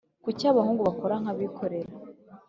Kuki aba bahungu badakora nkabikorera